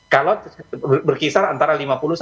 kalau berkisar antara lima puluh enam puluh